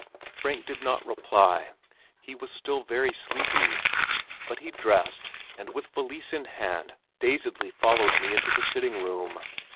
Frank did not reply. He was still very sleepy, but he dressed, and with valise in hand dazedly followed me into the sitting room.